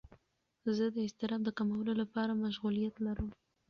زه د اضطراب د کمولو لپاره مشغولیت لرم.